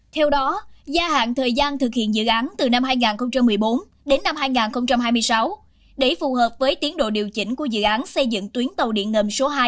theo đó gia hạn thời gian thực hiện dự án từ năm hai nghìn một mươi bốn đến năm hai nghìn hai mươi sáu để phù hợp với tiến độ điều chỉnh của dự án xây dựng tuyến tàu điện ngầm số hai